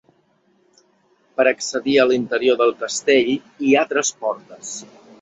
Per accedir a l'interior del castell hi ha tres portes.